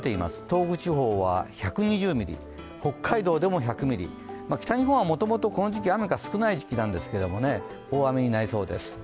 東北地方は１２０ミリ、北海道でも１００ミリ、北日本はもともとこの時期、雨が少ない時期なんですけど、大雨になりそうです。